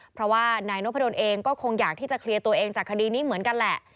เพราะว่านายนพดลเองก็คงอยากที่จะเคลียร์ตัวเองจากคดีนี้เหมือนกันแหละ